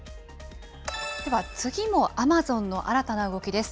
では次も、アマゾンの新たな動きです。